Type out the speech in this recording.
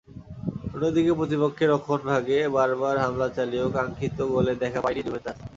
অন্যদিকে প্রতিপক্ষের রক্ষণভাগে বারবার হামলা চালিয়েও কাঙ্ক্ষিত গোলের দেখা পায়নি জুভেন্টাস।